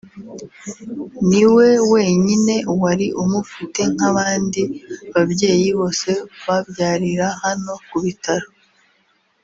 ni we wenyine wari umufite nk’abandi babyeyi bose babyarira hano ku bitaro